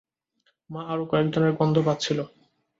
মা আরও কয়েকজনের গন্ধ পাচ্ছিল।